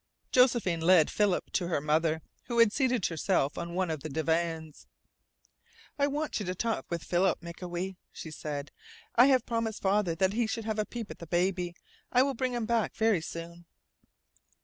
Josephine led Philip to her mother, who had seated herself on one of the divans. "I want you to talk with Philip, Mikawe," she said. "I have promised father that he should have a peep at the baby. I will bring him back very soon."